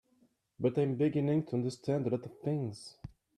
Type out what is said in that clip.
But I'm beginning to understand a lot of things.